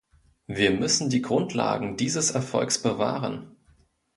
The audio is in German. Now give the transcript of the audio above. Wir müssen die Grundlagen dieses Erfolgs bewahren.